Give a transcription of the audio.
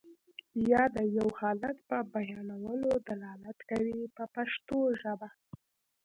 یا د یو حالت په بیانولو دلالت کوي په پښتو ژبه.